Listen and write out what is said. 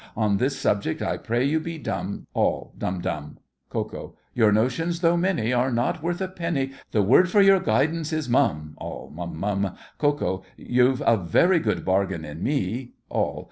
On this subject I pray you be dumb— ALL. Dumb—dumb! KO. Your notions, though many, Are not worth a penny, The word for your guidance is "Mum"— ALL. Mum—Mum! KO. You've a very good bargain in me. ALL.